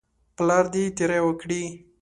پلار دې تیری وکړي.